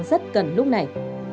rất cần lúc này